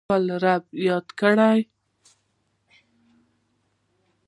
خپل رب یاد کړئ